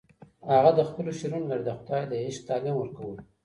هغه د خپلو شعرونو له لارې د خدای د عشق تعلیم ورکولو.